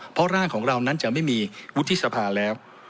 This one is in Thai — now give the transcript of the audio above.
เพราะร่างของเรานั้นจะไม่มีวุฒิสภาแล้ว